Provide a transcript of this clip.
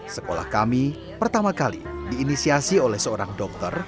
sekolah kami pertama kali diinisiasi oleh seorang dokter